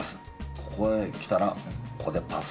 ここへ来たらここでパスをする。